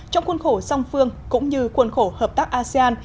trong khuôn khổ song phương cũng như khuôn khổ hợp tác asean